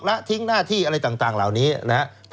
ละทิ้งหน้าที่อะไรต่างเหล่านี้นะครับ